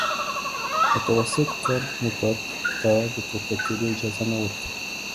متوسط کرب موټرو ته د پورته کېدو اجازه نه ورکوي